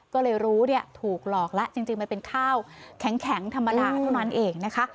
ก็เลยรู้ถูกหลอกแล้วจริงมันเป็นข้าวแข็งธรรมดาเท่านั้นเองนะคะ